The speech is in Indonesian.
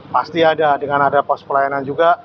pasti ada dengan ada pos pelayanan juga